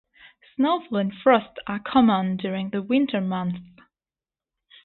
Snowfall and frost are common during the winter months.